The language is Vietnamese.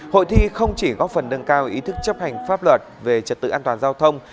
hội thi không chỉ góp phần nâng cao ý thức chấp hành pháp luật về trật tự an toàn giao thông